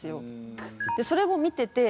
それも見てて。